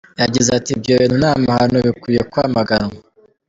Yagize ati “Ibyo bintu ni amahano bikwiye kwamaganwa.